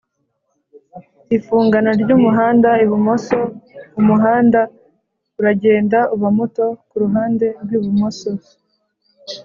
Ifungana ry'umuhanda ibumoso Umuhanda uragenda uba muto ku ruhande rw'ibumoso